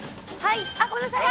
あっごめんなさい。